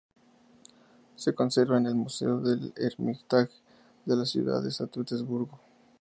Se conserva en el Museo del Hermitage de la ciudad de San Petersburgo.